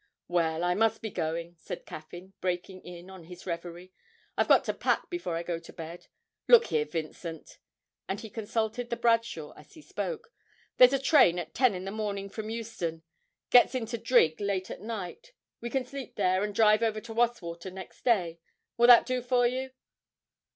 'Well, I must be going,' said Caffyn, breaking in on his reverie. 'I've got to pack before I go to bed. Look here, Vincent' (and he consulted the Bradshaw as he spoke), 'there's a train at ten in the morning, from Euston; gets in to Drigg late at night; we can sleep there, and drive over to Wastwater next day. Will that do you?'